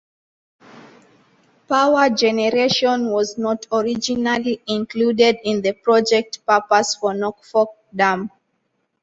Power generation was not originally included in the project purpose for Norfork Dam.